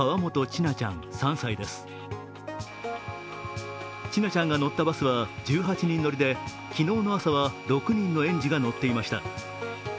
千奈ちゃんが乗ったバスは１８人乗りで、昨日の朝は６人の園児が乗っていました。